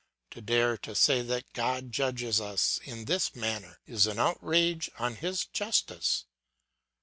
To dare to say that God judges us in this manner is an outrage on his justice.